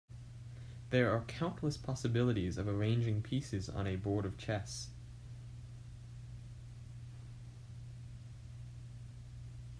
There are countless possibilities of arranging pieces on a board of chess.